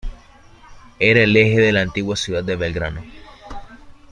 Era el eje de la antigua ciudad de Belgrano.